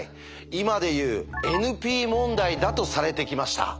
今で言うＮＰ問題だとされてきました。